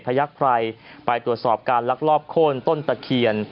ยักษ์ไพรไปตรวจสอบการลักลอบโค้นต้นตะเคียน